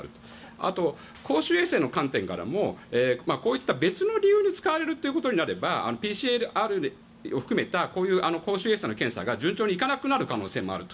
あと、公衆衛生の観点からもこういった別の理由に使われるということになればＰＣＲを含めてこういう公衆衛生の検査が順調にいかなくなる可能性があります。